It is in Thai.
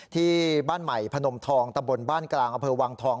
ที่บ้านใหม่พนมทองตะบนบ้านกลางอำเภอวังทอง